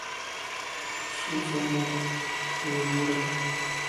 Susumu Uemura